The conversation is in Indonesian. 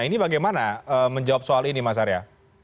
ini bagaimana menjawab soal ini mas arya